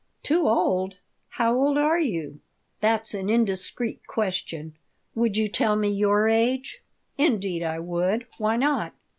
"Too old? How old are you?" "That's an indiscreet question. Would you tell me your age?" "Indeed I would. Why not?"